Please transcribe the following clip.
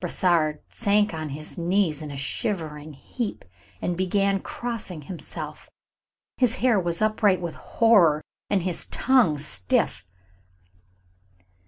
Brossard sank on his knees in a shivering heap, and began crossing himself. His hair was upright with horror, and his tongue stiff.